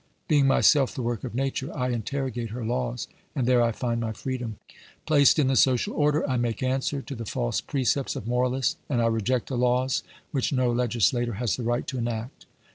Being myself the work of Nature, I interrogate her laws, and there I find my freedom. Placed in the social order, I make answer to the false precepts of moralists, and I reject the laws which no legislator has the right to enact.